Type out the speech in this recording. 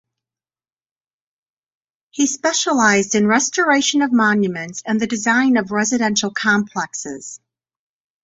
He specialized in restoration of monuments and the design of residential complexes.